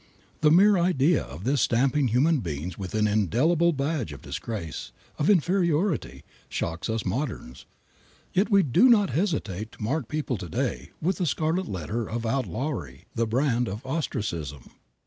The mere idea of this stamping human beings with an indelible badge of disgrace, of inferiority, shocks us moderns. Yet we do not hesitate to mark people to day with the scarlet letter of outlawry, the brand of ostracism.